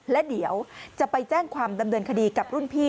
และเดี๋ยวจะไปแจ้งความดำเนินคดีกับรุ่นพี่